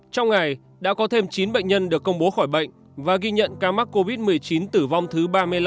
trong ngày đã có thêm chín bệnh nhân được công bố khỏi bệnh và ghi nhận ca mắc covid một mươi chín tử vong thứ ba mươi năm